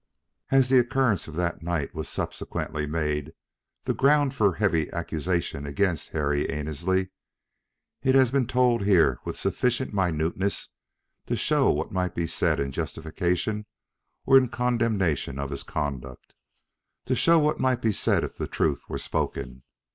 As the occurrence of that night was subsequently made the ground for heavy accusation against Harry Annesley, it has been told here with sufficient minuteness to show what might be said in justification or in condemnation of his conduct, to show what might be said if the truth were spoken.